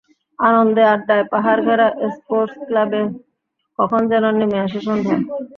আনন্দে আড্ডায় পাহাড় ঘেরা স্পোর্টস ক্লাবে কখন যেন নেমে আসে সন্ধ্যা।